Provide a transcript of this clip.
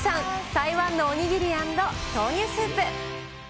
台湾のお握り＆豆乳スープ。